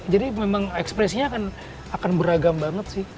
jadi memang ekspresinya akan beragam banget sih